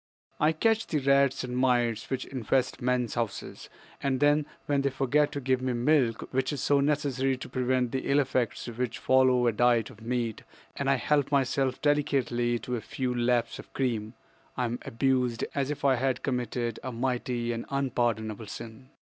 "I catch the rats and mice which infest men's houses, and then when they forget to give me milk which is so necessary to prevent the ill effects which follow a diet of meat and I help myself delicately to a few laps of cream, I am abused as if I had committed a mighty and unpardonable sin.